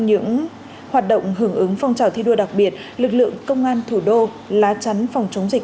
những hoạt động hưởng ứng phong trào thi đua đặc biệt lực lượng công an thủ đô lá chắn phòng chống dịch